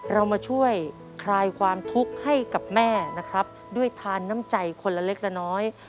เรามาช่วยคลายความทุกข์ให้กับแม่นะครับด้วยทานน้ำใจคนละเล็กละน้อย